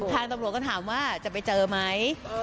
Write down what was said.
ทางตำรวจก็ถามว่าจะไปเจอไหม